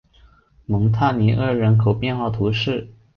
蒙塔尼厄人口变化图示